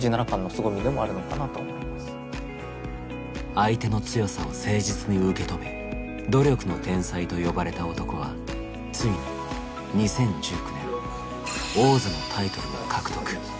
相手の強さを誠実に受け止め「努力の天才」と呼ばれた男はついに２０１９年王座のタイトルを獲得。